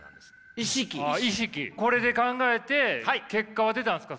これで考えて結果は出たんですか？